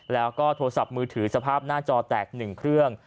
แล้วก็โทรศัพท์มือถือสภาพหน้าจอแตก๑เครื่อง